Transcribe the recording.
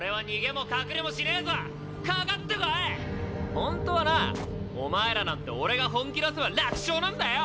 本当はなお前らなんて俺が本気出せば楽勝なんだよ！